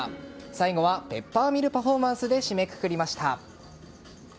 最後はペッパーミルパフォーマンスで締めくくりました。